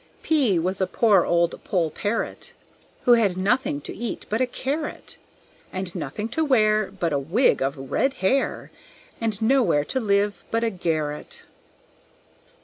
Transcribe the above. P was a poor old Poll Parrot, Who had nothing to eat but a carrot, And nothing to wear But a wig of red hair, And nowhere to live but a garret.